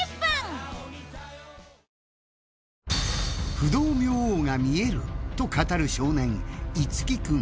不動明王が見えると語る少年樹君。